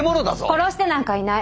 殺してなんかいない。